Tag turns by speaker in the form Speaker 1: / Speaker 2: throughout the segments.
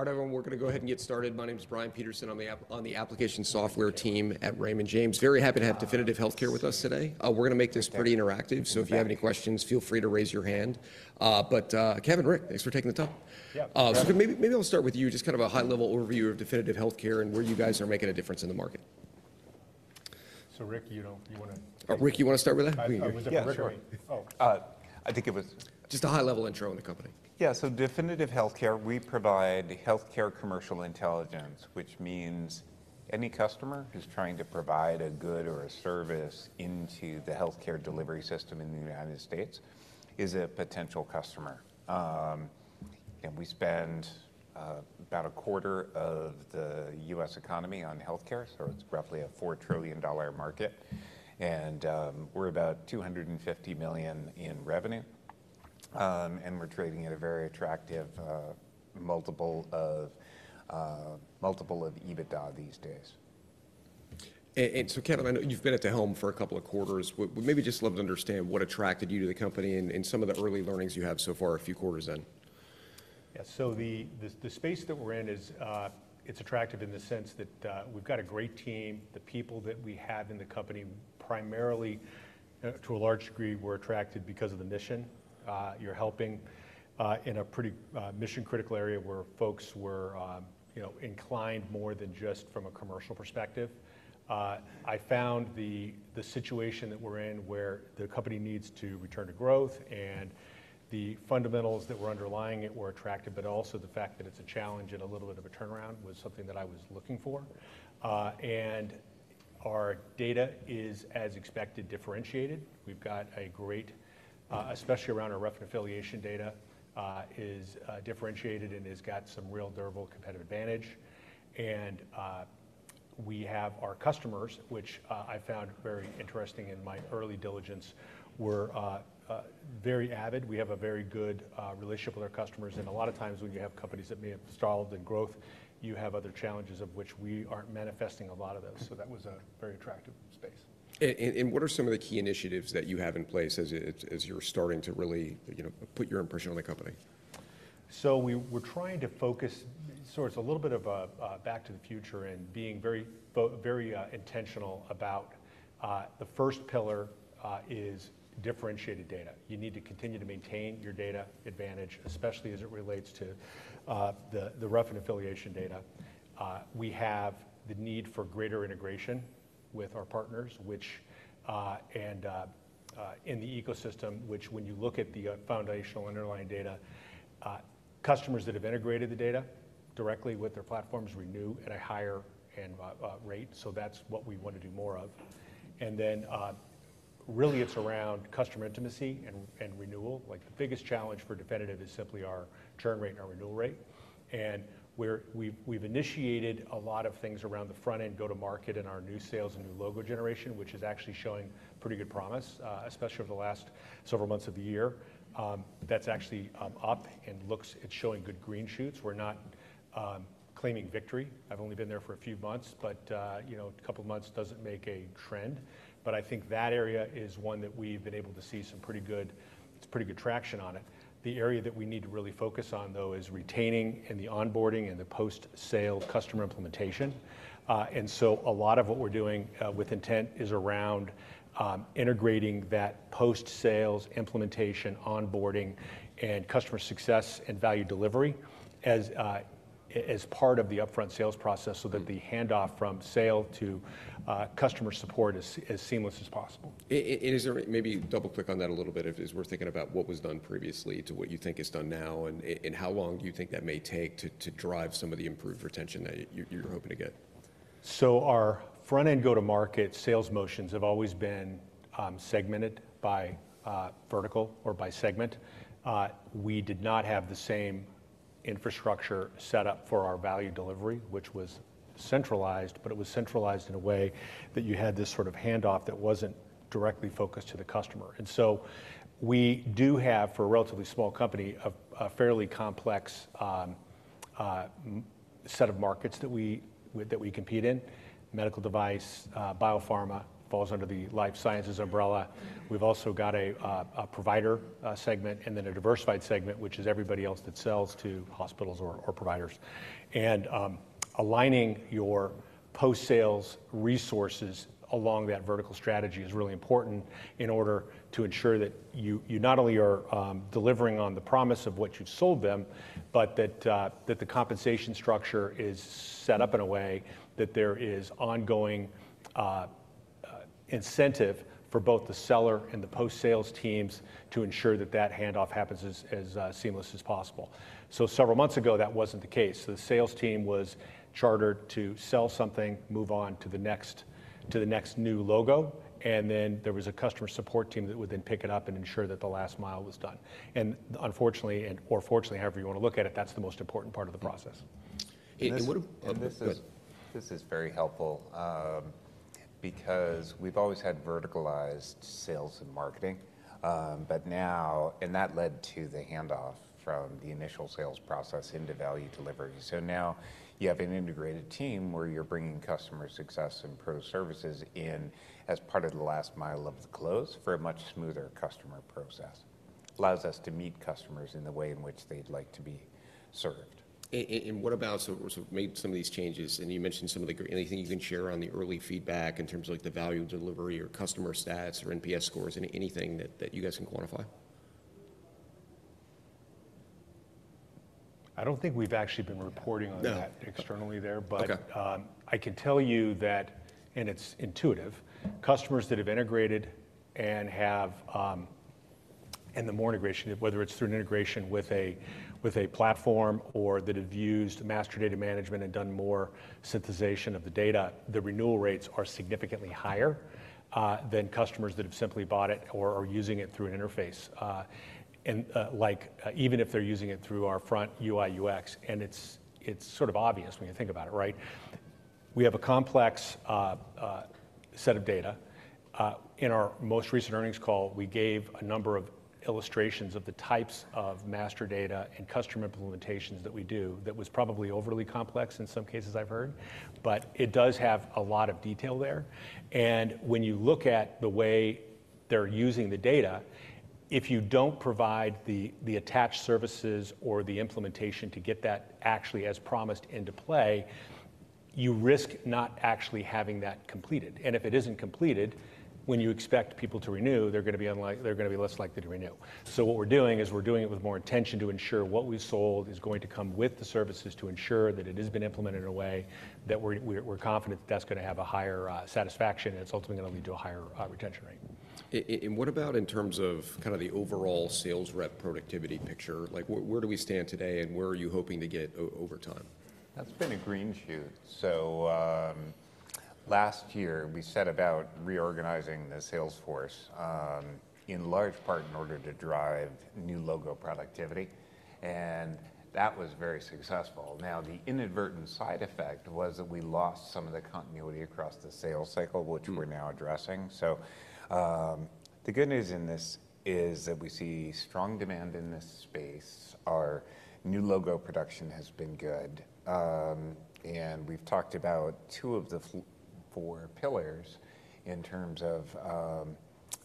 Speaker 1: All right, everyone, we're going to go ahead and get started. My name is Brian Peterson. I'm on the application software team at Raymond James. Very happy to have Definitive Healthcare with us today. We're going to make this pretty interactive, so if you have any questions, feel free to raise your hand. Kevin, Rick, thanks for taking the time. Maybe I'll start with you, just kind of a high-level overview of Definitive Healthcare and where you guys are making a difference in the market.
Speaker 2: Rick, you want to.
Speaker 1: Rick, you want to start with that?
Speaker 2: I was going to say...
Speaker 3: I think it was...
Speaker 1: Just a high-level intro on the company.
Speaker 3: Yeah, so Definitive Healthcare, we provide healthcare commercial intelligence, which means any customer who's trying to provide a good or a service into the healthcare delivery system in the U.S. is a potential customer. We spend about a quarter of the U.S. economy on healthcare, so it's roughly a $4 trillion market. We're about $250 million in revenue, and we're trading at a very attractive multiple of EBITDA these days.
Speaker 1: Kevin, I know you've been at the helm for a couple of quarters. We'd maybe just love to understand what attracted you to the company and some of the early learnings you have so far, a few quarters in.
Speaker 2: Yeah, the space that we're in, it's attractive in the sense that we've got a great team. The people that we have in the company primarily, to a large degree, were attracted because of the mission. You're helping in a pretty mission-critical area where folks were inclined more than just from a commercial perspective. I found the situation that we're in, where the company needs to return to growth and the fundamentals that were underlying it were attractive, but also the fact that it's a challenge and a little bit of a turnaround was something that I was looking for. Our data is, as expected, differentiated. We've got a great, especially around our physician and affiliation data, is differentiated and has got some real durable competitive advantage. We have our customers, which I found very interesting in my early diligence, were very avid. We have a very good relationship with our customers. A lot of times when you have companies that may have stalled in growth, you have other challenges of which we aren't manifesting a lot of those. That was a very attractive space.
Speaker 1: What are some of the key initiatives that you have in place as you're starting to really put your impression on the company?
Speaker 2: We're trying to focus sort of a little bit of a back to the future and being very intentional about the first pillar is differentiated data. You need to continue to maintain your data advantage, especially as it relates to the physician and affiliation data. We have the need for greater integration with our partners and in the ecosystem, which when you look at the foundational underlying data, customers that have integrated the data directly with their platforms renew at a higher rate. That's what we want to do more of. Then really it's around customer intimacy and renewal. Like the biggest challenge for Definitive Healthcare is simply our churn rate and our renewal rate. We have initiated a lot of things around the front end, go-to-market, and our new sales and new logo generation, which is actually showing pretty good promise, especially over the last several months of the year. That is actually up and looks, it's showing good green shoots. We are not claiming victory. I have only been there for a few months, but a couple of months does not make a trend. I think that area is one that we have been able to see some pretty good, it's pretty good traction on it. The area that we need to really focus on, though, is retaining and the onboarding and the post-sale customer implementation. A lot of what we're doing with intent is around integrating that post-sales implementation, onboarding, and customer success and value delivery as part of the upfront sales process so that the handoff from sale to customer support is as seamless as possible.
Speaker 1: Is there maybe double-click on that a little bit as we're thinking about what was done previously to what you think is done now and how long do you think that may take to drive some of the improved retention that you're hoping to get?
Speaker 2: Our front-end go-to-market sales motions have always been segmented by vertical or by segment. We did not have the same infrastructure set up for our value delivery, which was centralized, but it was centralized in a way that you had this sort of handoff that was not directly focused to the customer. We do have, for a relatively small company, a fairly complex set of markets that we compete in. Medical device, biopharma falls under the Life Sciences umbrella. We have also got a provider segment and then a Diversified segment, which is everybody else that sells to hospitals or providers. Aligning your post-sales resources along that vertical strategy is really important in order to ensure that you not only are delivering on the promise of what you've sold them, but that the compensation structure is set up in a way that there is ongoing incentive for both the seller and the post-sales teams to ensure that that handoff happens as seamless as possible. Several months ago, that wasn't the case. The sales team was chartered to sell something, move on to the next new logo, and then there was a customer support team that would then pick it up and ensure that the last mile was done. Unfortunately, or fortunately, however you want to look at it, that's the most important part of the process.
Speaker 1: What a.
Speaker 3: This is very helpful because we've always had verticalized sales and marketing, but now, and that led to the handoff from the initial sales process into value delivery. Now you have an integrated team where you're bringing customer success and pro services in as part of the last mile of the close for a much smoother customer process. It allows us to meet customers in the way in which they'd like to be served.
Speaker 1: What about, maybe some of these changes, and you mentioned some of the great, anything you can share on the early feedback in terms of the value delivery or customer stats or NPS scores and anything that you guys can quantify?
Speaker 3: I don't think we've actually been reporting on that externally there
Speaker 2: but I can tell you that, and it's intuitive, customers that have integrated and have and the more integration, whether it's through an integration with a platform or that have used master data management and done more synthesization of the data, the renewal rates are significantly higher than customers that have simply bought it or are using it through an interface. Like even if they're using it through our front UI/UX, and it's sort of obvious when you think about it, right? We have a complex set of data. In our most recent earnings call, we gave a number of illustrations of the types of master data and customer implementations that we do that was probably overly complex in some cases, I've heard, but it does have a lot of detail there. When you look at the way they're using the data, if you don't provide the attached services or the implementation to get that actually as promised into play, you risk not actually having that completed. If it isn't completed, when you expect people to renew, they're going to be less likely to renew. What we're doing is we're doing it with more intention to ensure what we've sold is going to come with the services to ensure that it has been implemented in a way that we're confident that that's going to have a higher satisfaction and it's ultimately going to lead to a higher retention rate.
Speaker 1: What about in terms of kind of the overall sales rep productivity picture? Like where do we stand today and where are you hoping to get over time?
Speaker 3: That's been a green shoot.
Speaker 2: Last year we set about reorganizing the sales force in large part in order to drive new logo productivity. That was very successful. The inadvertent side effect was that we lost some of the continuity across the sales cycle, which we're now addressing. The good news in this is that we see strong demand in this space. Our new logo production has been good. We've talked about two of the four pillars in terms of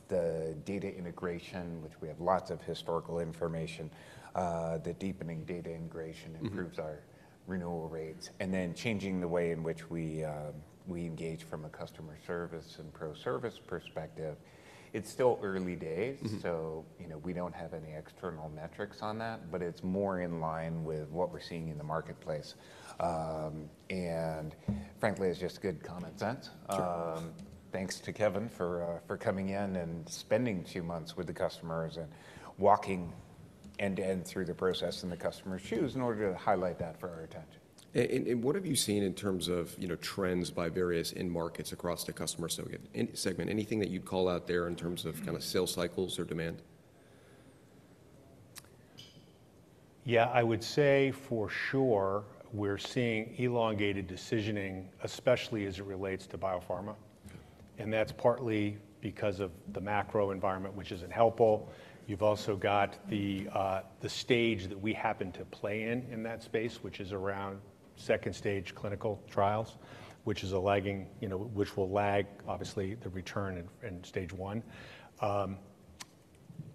Speaker 2: the data integration, which we have lots of historical information. The deepening data integration improves our renewal rates. Changing the way in which we engage from a customer service and pro service perspective. It's still early days, so we don't have any external metrics on that, but it's more in line with what we're seeing in the marketplace. Frankly, it's just good common sense. Thanks to Kevin for coming in and spending two months with the customers and walking end to end through the process in the customer's shoes in order to highlight that for our attention.
Speaker 1: What have you seen in terms of trends by various end markets across the customer segment? Anything that you'd call out there in terms of kind of sales cycles or demand?
Speaker 3: Yeah, I would say for sure we're seeing elongated decisioning, especially as it relates to biopharma. That's partly because of the macro environment, which isn't helpful. You've also got the stage that we happen to play in in that space, which is around second stage clinical trials, which is a lagging, which will lag obviously the return in stage one.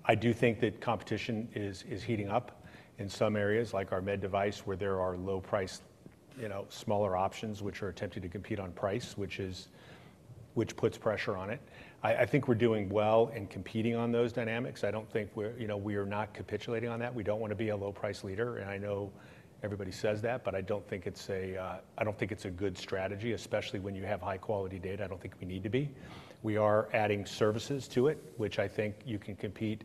Speaker 3: I do think that competition is heating up in some areas like our med device where there are low-priced, smaller options which are attempting to compete on price, which puts pressure on it. I think we're doing well in competing on those dynamics. I don't think we're, we are not capitulating on that. We don't want to be a low-price leader. I know everybody says that, but I don't think it's a, I don't think it's a good strategy, especially when you have high-quality data. I don't think we need to be. We are adding services to it, which I think you can compete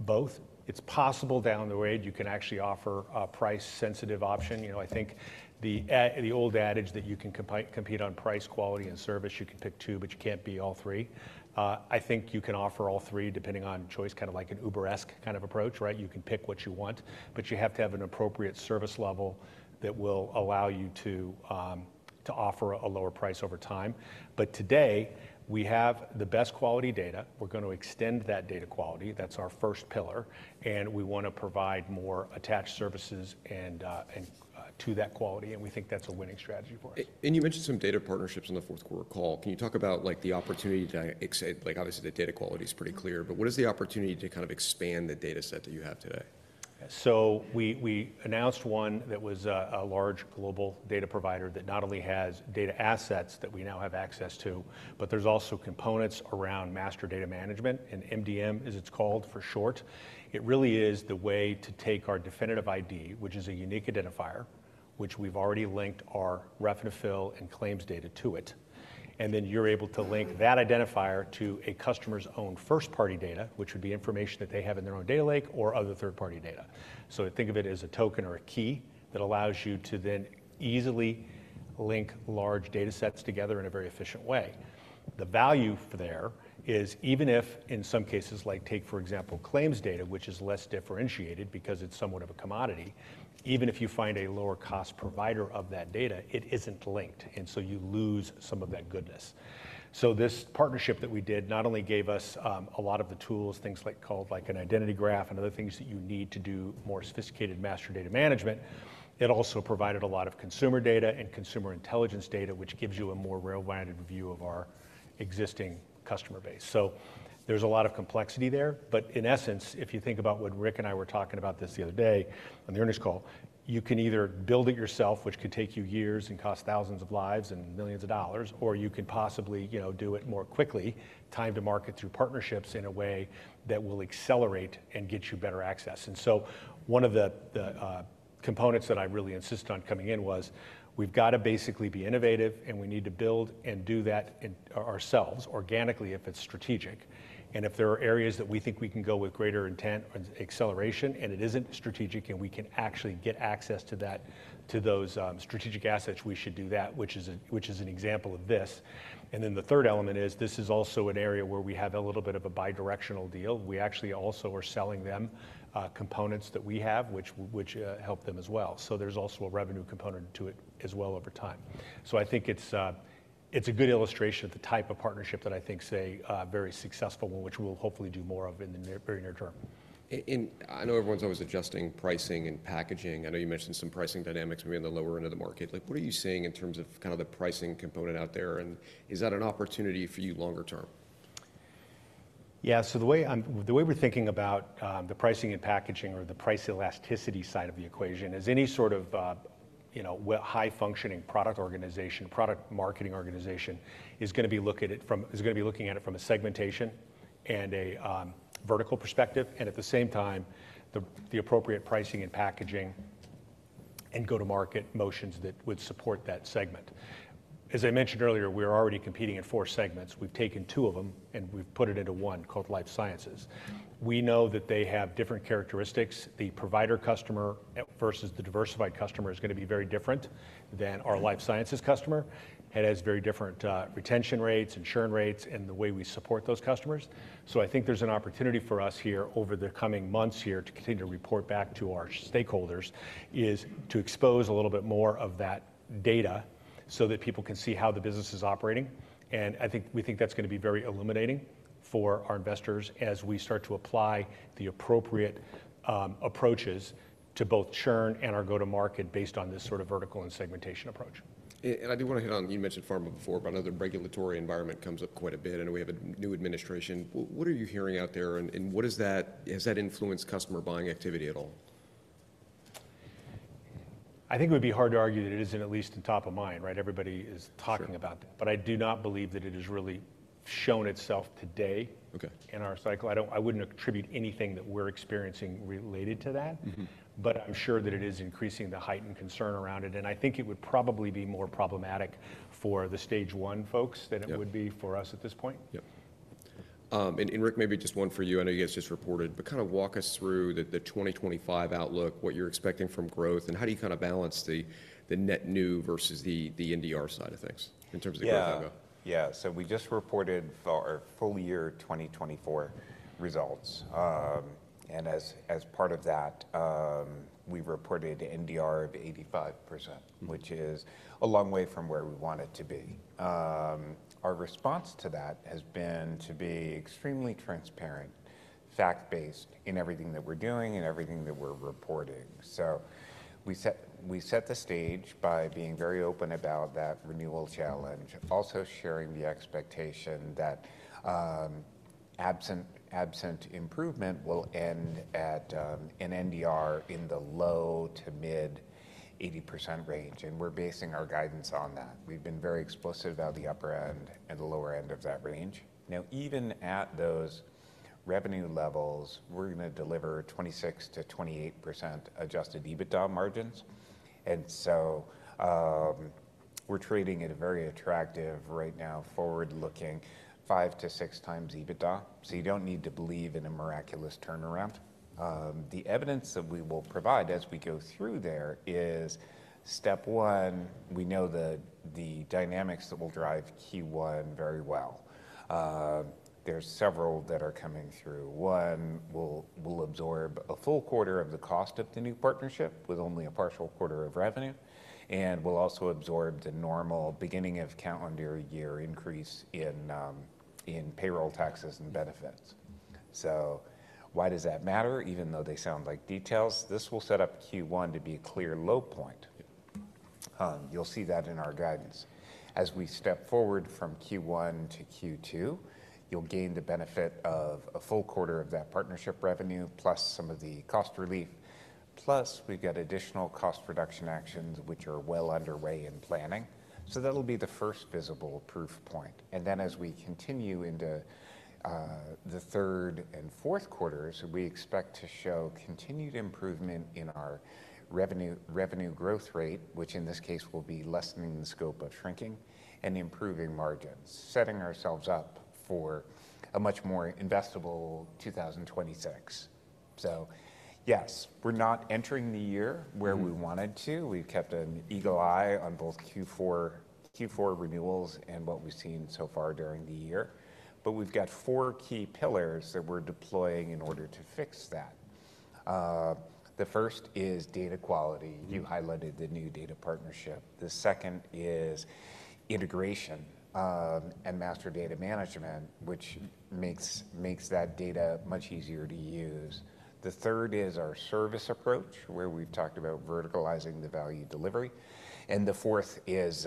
Speaker 3: both. It's possible down the way you can actually offer a price-sensitive option. I think the old adage that you can compete on price, quality, and service, you can pick two, but you can't be all three. I think you can offer all three depending on choice, kind of like an Uber-esque kind of approach, right? You can pick what you want, but you have to have an appropriate service level that will allow you to offer a lower price over time. Today we have the best quality data. We're going to extend that data quality. That's our first pillar. We want to provide more attached services to that quality. We think that's a winning strategy for us.
Speaker 1: You mentioned some data partnerships in the fourth quarter call. Can you talk about the opportunity to, like obviously the data quality is pretty clear, but what is the opportunity to kind of expand the data set that you have today?
Speaker 2: We announced one that was a large global data provider that not only has data assets that we now have access to, but there's also components around master data management and MDM, as it's called for short. It really is the way to take our Definitive ID, which is a unique identifier, which we've already linked our Reference and Affiliation and claims data to it. Then you're able to link that identifier to a customer's own first-party data, which would be information that they have in their own data lake or other third-party data. Think of it as a token or a key that allows you to then easily link large data sets together in a very efficient way. The value there is even if in some cases, like take for example, claims data, which is less differentiated because it's somewhat of a commodity, even if you find a lower-cost provider of that data, it isn't linked. You lose some of that goodness. This partnership that we did not only gave us a lot of the tools, things like called like an identity graph and other things that you need to do more sophisticated master data management. It also provided a lot of consumer data and consumer intelligence data, which gives you a more real-wide view of our existing customer base. There's a lot of complexity there. In essence, if you think about what Rick and I were talking about this the other day on the earnings call, you can either build it yourself, which could take you years and cost thousands of lines and millions of dollars, or you can possibly do it more quickly, time to market through partnerships in a way that will accelerate and get you better access. One of the components that I really insisted on coming in was we've got to basically be innovative and we need to build and do that ourselves organically if it's strategic. If there are areas that we think we can go with greater intent or acceleration and it isn't strategic and we can actually get access to those strategic assets, we should do that, which is an example of this. The third element is this is also an area where we have a little bit of a bidirectional deal. We actually also are selling them components that we have, which help them as well. There is also a revenue component to it as well over time. I think it is a good illustration of the type of partnership that I think, say, very successful, which we will hopefully do more of in the very near term.
Speaker 1: I know everyone's always adjusting pricing and packaging. I know you mentioned some pricing dynamics maybe in the lower end of the market. Like what are you seeing in terms of kind of the pricing component out there? Is that an opportunity for you longer term?
Speaker 3: Yeah, the way we're thinking about the pricing and packaging or the price elasticity side of the equation is any sort of high-functioning product organization, product marketing organization is going to be looking at it from a segmentation and a vertical perspective. At the same time, the appropriate pricing and packaging and go-to-market motions that would support that segment. As I mentioned earlier, we're already competing in four segments. We've taken two of them and we've put it into one called Life Sciences. We know that they have different characteristics. The provider customer versus the diversified customer is going to be very different than our Life Sciences customer. It has very different retention rates, insurance rates, and the way we support those customers. I think there's an opportunity for us here over the coming months to continue to report back to our stakeholders, to expose a little bit more of that data so that people can see how the business is operating. I think we think that's going to be very illuminating for our investors as we start to apply the appropriate approaches to both churn and our go-to-market based on this sort of vertical and segmentation approach.
Speaker 1: I do want to hit on, you mentioned pharma before, but I know the regulatory environment comes up quite a bit. I know we have a new administration. What are you hearing out there and what is that, has that influenced customer buying activity at all?
Speaker 3: I think it would be hard to argue that it isn't at least in top of mind, right? Everybody is talking about that. I do not believe that it has really shown itself today in our cycle. I wouldn't attribute anything that we're experiencing related to that, but I'm sure that it is increasing the heightened concern around it. I think it would probably be more problematic for the stage one folks than it would be for us at this point.
Speaker 4: Yep. Rick, maybe just one for you. I know you guys just reported, but kind of walk us through the 2025 outlook, what you're expecting from growth, and how do you kind of balance the net new versus the NDR side of things in terms of growth?
Speaker 3: Yeah, yeah. We just reported our full year 2024 results. As part of that, we reported NDR of 85%, which is a long way from where we want it to be. Our response to that has been to be extremely transparent, fact-based in everything that we're doing and everything that we're reporting. We set the stage by being very open about that renewal challenge, also sharing the expectation that absent improvement we will end at an NDR in the low to mid 80% range. We are basing our guidance on that. We have been very explicit about the upper end and the lower end of that range. Now, even at those revenue levels, we are going to deliver 26%-28% adjusted EBITDA margins. We are trading at a very attractive right now forward-looking five to six times EBITDA. You do not need to believe in a miraculous turnaround. The evidence that we will provide as we go through there is step one, we know the dynamics that will drive Q1 very well. There are several that are coming through. One will absorb a full quarter of the cost of the new partnership with only a partial quarter of revenue. We will also absorb the normal beginning of calendar year increase in payroll taxes and benefits. Why does that matter? Even though they sound like details, this will set up Q1 to be a clear low point. You will see that in our guidance. As we step forward from Q1 to Q2, you will gain the benefit of a full quarter of that partnership revenue plus some of the cost relief, plus we have got additional cost reduction actions, which are well underway in planning. That will be the first visible proof point. As we continue into the third and fourth quarters, we expect to show continued improvement in our revenue growth rate, which in this case will be lessening the scope of shrinking and improving margins, setting ourselves up for a much more investable 2026. Yes, we're not entering the year where we wanted to. We've kept an eagle eye on both Q4 renewals and what we've seen so far during the year. We've got four key pillars that we're deploying in order to fix that. The first is data quality. You highlighted the new data partnership. The second is integration and master data management, which makes that data much easier to use. The third is our service approach where we've talked about verticalizing the value delivery. The fourth is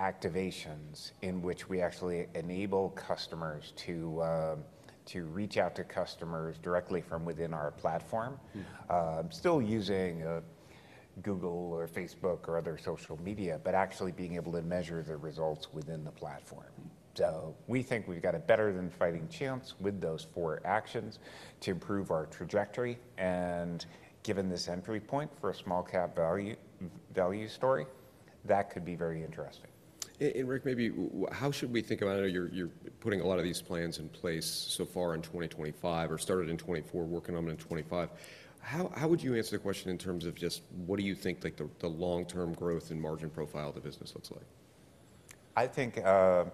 Speaker 3: activations in which we actually enable customers to reach out to customers directly from within our platform, still using Google or Facebook or other social media, but actually being able to measure the results within the platform. We think we've got a better than fighting chance with those four actions to improve our trajectory. Given this entry point for a small cap value story, that could be very interesting.
Speaker 1: Rick, maybe how should we think about it? You're putting a lot of these plans in place so far in 2025 or started in 2024, working on them in 2025. How would you answer the question in terms of just what do you think the long-term growth and margin profile of the business looks like?
Speaker 3: I think I've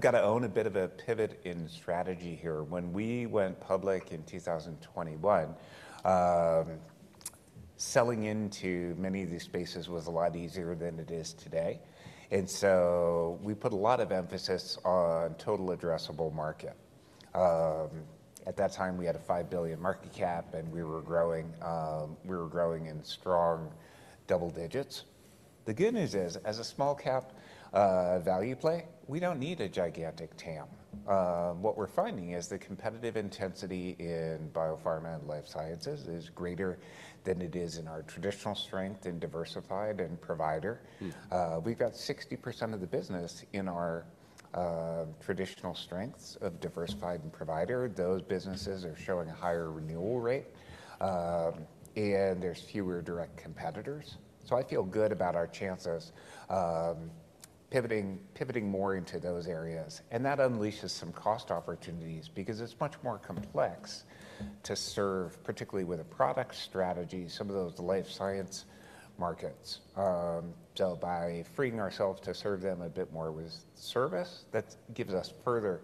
Speaker 3: got to own a bit of a pivot in strategy here. When we went public in 2021, selling into many of these spaces was a lot easier than it is today. We put a lot of emphasis on total addressable market. At that time, we had a $5 billion market cap and we were growing in strong double digits. The good news is as a small cap value play, we don't need a gigantic TAM. What we're finding is the competitive intensity in biopharma and Life Sciences is greater than it is in our traditional strength in Diversified and provider. We've got 60% of the business in our traditional strengths of diversified and provider. Those businesses are showing a higher renewal rate and there's fewer direct competitors. I feel good about our chances pivoting more into those areas. That unleashes some cost opportunities because it's much more complex to serve, particularly with a product strategy, some of those life science markets. By freeing ourselves to serve them a bit more with service, that gives us further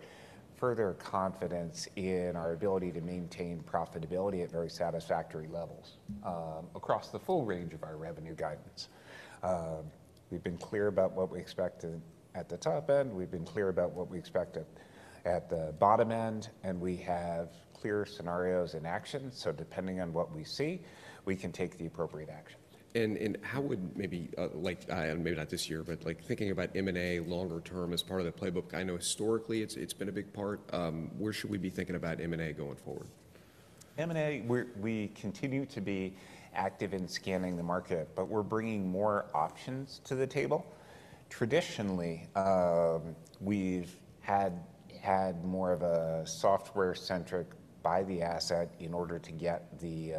Speaker 3: confidence in our ability to maintain profitability at very satisfactory levels across the full range of our revenue guidance. We have been clear about what we expect at the top end. We have been clear about what we expect at the bottom end. We have clear scenarios in action. Depending on what we see, we can take the appropriate action.
Speaker 1: How would maybe, and maybe not this year, but thinking about M&A longer term as part of the playbook, I know historically it's been a big part. Where should we be thinking about M&A going forward?
Speaker 3: M&A, we continue to be active in scanning the market, but we're bringing more options to the table. Traditionally, we've had more of a software-centric buy the asset in order to get the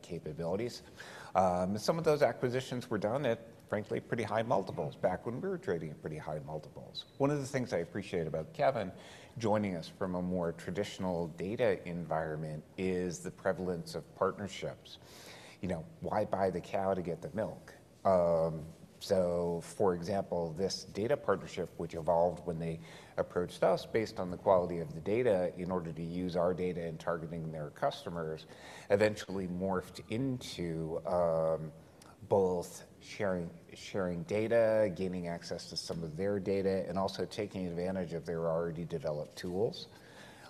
Speaker 3: capabilities. Some of those acquisitions were done at frankly pretty high multiples back when we were trading at pretty high multiples. One of the things I appreciate about Kevin joining us from a more traditional data environment is the prevalence of partnerships. You know, why buy the cow to get the milk? For example, this data partnership, which evolved when they approached us based on the quality of the data in order to use our data in targeting their customers, eventually morphed into both sharing data, gaining access to some of their data, and also taking advantage of their already developed tools,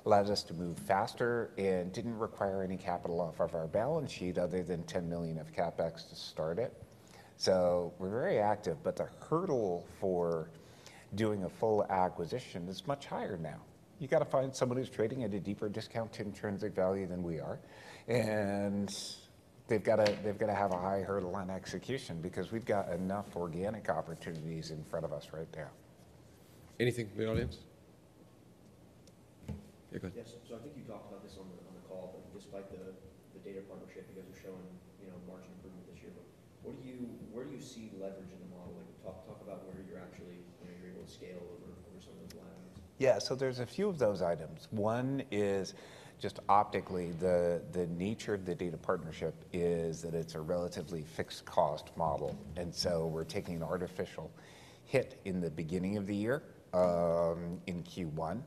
Speaker 3: allowed us to move faster and did not require any capital off of our balance sheet other than $10 million of CapEx to start it. We are very active, but the hurdle for doing a full acquisition is much higher now. You have to find someone who is trading at a deeper discount intrinsic value than we are. They have to have a high hurdle on execution because we have enough organic opportunities in front of us right now.
Speaker 1: Anything from the audience? Yeah, go ahead. Yes. I think you talked about this on the call, but despite the data partnership, you guys are showing margin improvement this year. Where do you see leverage in the model? Talk about where you're actually able to scale over some of those line items.
Speaker 3: Yeah, so there's a few of those items. One is just optically the nature of the data partnership is that it's a relatively fixed cost model. We're taking an artificial hit in the beginning of the year in Q1.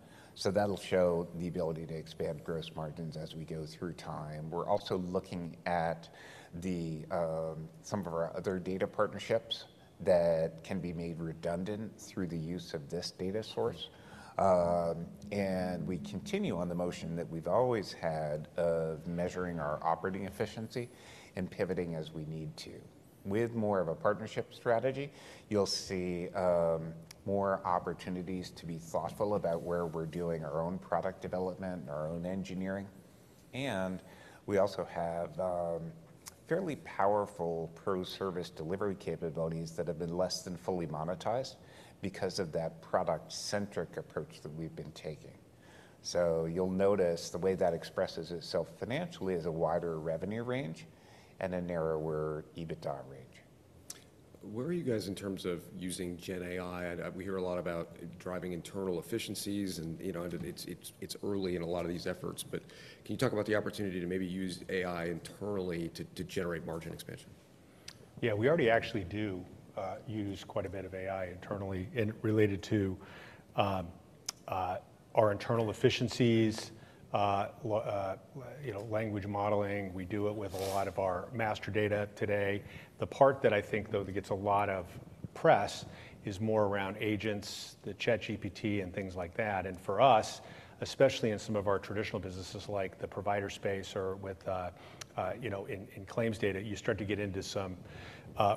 Speaker 3: That'll show the ability to expand gross margins as we go through time. We're also looking at some of our other data partnerships that can be made redundant through the use of this data source. We continue on the motion that we've always had of measuring our operating efficiency and pivoting as we need to. With more of a partnership strategy, you'll see more opportunities to be thoughtful about where we're doing our own product development, our own engineering. We also have fairly powerful pro-service delivery capabilities that have been less than fully monetized because of that product-centric approach that we've been taking. You'll notice the way that expresses itself financially is a wider revenue range and a narrower EBITDA range.
Speaker 1: Where are you guys in terms of using GenAI? We hear a lot about driving internal efficiencies and it's early in a lot of these efforts, but can you talk about the opportunity to maybe use AI internally to generate margin expansion?
Speaker 3: Yeah, we already actually do use quite a bit of AI internally related to our internal efficiencies, language modeling. We do it with a lot of our master data today. The part that I think though gets a lot of press is more around agents, the ChatGPT and things like that. For us, especially in some of our traditional businesses like the provider space or with claims data, you start to get into some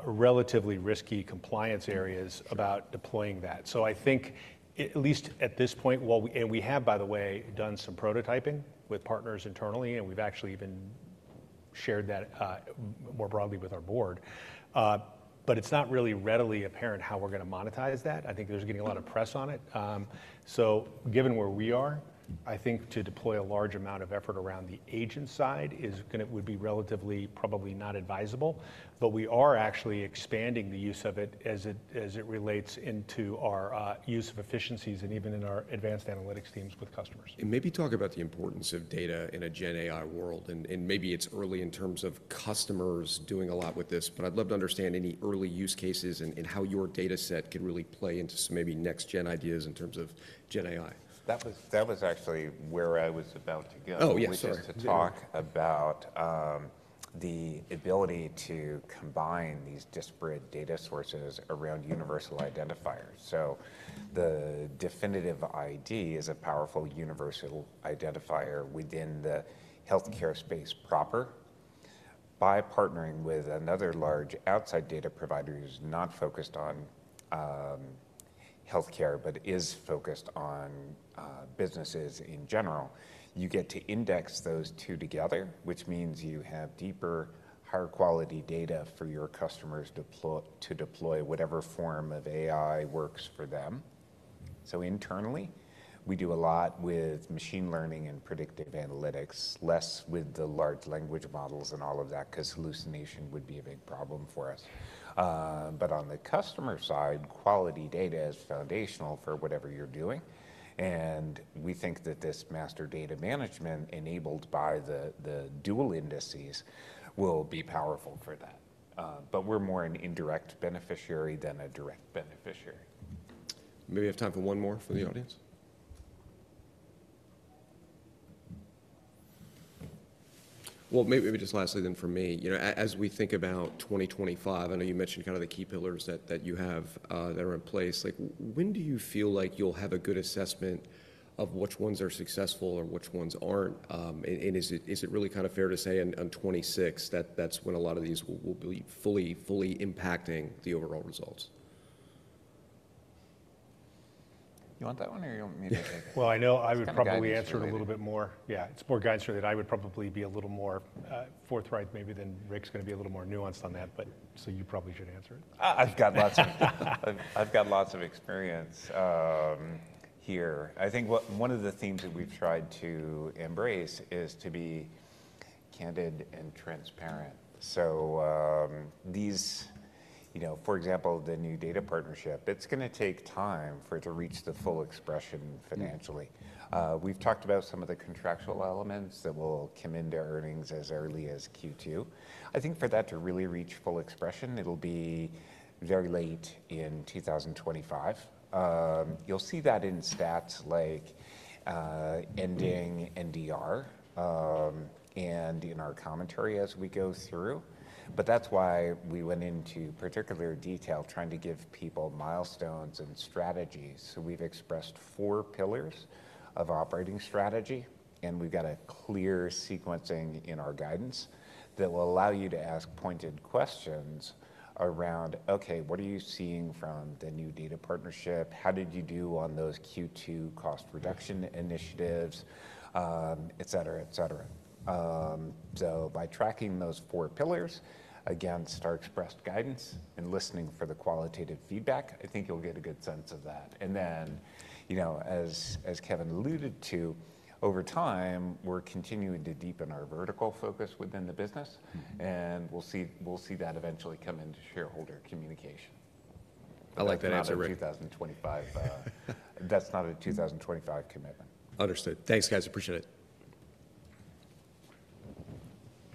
Speaker 3: relatively risky compliance areas about deploying that. I think at least at this point, and we have by the way done some prototyping with partners internally and we've actually even shared that more broadly with our board, but it's not really readily apparent how we're going to monetize that. I think there's getting a lot of press on it. Given where we are, I think to deploy a large amount of effort around the agent side would be relatively probably not advisable, but we are actually expanding the use of it as it relates into our use of efficiencies and even in our advanced analytics teams with customers.
Speaker 1: Maybe talk about the importance of data in a GenAI world. Maybe it's early in terms of customers doing a lot with this, but I'd love to understand any early use cases and how your data set could really play into some maybe next-gen ideas in terms of GenAI.
Speaker 3: That was actually where I was about to go.
Speaker 1: Oh, yes.
Speaker 3: We started to talk about the ability to combine these disparate data sources around universal identifiers. The Definitive ID is a powerful universal identifier within the healthcare space proper. By partnering with another large outside data providers who's not focused on healthcare, but is focused on businesses in general, you get to index those two together, which means you have deeper, higher quality data for your customers to deploy whatever form of AI works for them. Internally, we do a lot with machine learning and predictive analytics, less with the large language models and all of that because hallucination would be a big problem for us. On the customer side, quality data is foundational for whatever you're doing. We think that this master data management enabled by the dual indices will be powerful for that. We're more an indirect beneficiary than a direct beneficiary.
Speaker 1: Maybe we have time for one more for the audience. Maybe just lastly then for me, as we think about 2025, I know you mentioned kind of the key pillars that you have that are in place. When do you feel like you'll have a good assessment of which ones are successful or which ones aren't? Is it really kind of fair to say on 2026 that that's when a lot of these will be fully impacting the overall results?
Speaker 3: You want that one or you want me to take it?
Speaker 2: I know I would probably answer it a little bit more. Yeah, it's more guidance for that. I would probably be a little more forthright maybe than Rick's going to be a little more nuanced on that, but you probably should answer it.
Speaker 3: I've got lots of experience here. I think one of the themes that we've tried to embrace is to be candid and transparent. These, for example, the new data partnership, it's going to take time for it to reach the full expression financially. We've talked about some of the contractual elements that will come into earnings as early as Q2. I think for that to really reach full expression, it'll be very late in 2025. You'll see that in stats like ending NDR and in our commentary as we go through. That's why we went into particular detail trying to give people milestones and strategies. We've expressed four pillars of operating strategy, and we've got a clear sequencing in our guidance that will allow you to ask pointed questions around, okay, what are you seeing from the new data partnership? How did you do on those Q2 cost reduction initiatives, et cetera, et cetera? By tracking those four pillars, again, star expressed guidance and listening for the qualitative feedback, I think you'll get a good sense of that. As Kevin alluded to, over time, we're continuing to deepen our vertical focus within the business, and we'll see that eventually come into shareholder communication.
Speaker 1: I like that answer, Rick.
Speaker 3: That's not a 2025 commitment.
Speaker 4: Understood. Thanks, guys. Appreciate it.